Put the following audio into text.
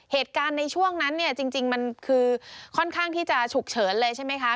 เหตุการณ์ในช่วงนั้นเนี่ยจริงมันคือค่อนข้างที่จะฉุกเฉินเลยใช่ไหมคะ